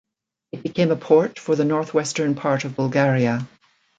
It became a port for the northwestern part of Bulgaria.